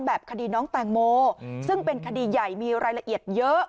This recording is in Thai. คดีน้องแตงโมซึ่งเป็นคดีใหญ่มีรายละเอียดเยอะ